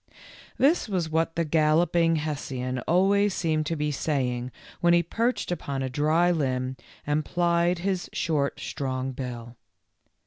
This was what the Galloping Hessian always seemed to be saying when he perched upon a dry limb and plied his short, strong bill.